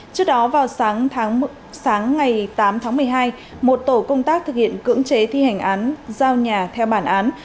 trước đó vào sáng ngày tám tháng một mươi hai một tổ công tác thực hiện cưỡng chế thi hành án giao nhà theo bản án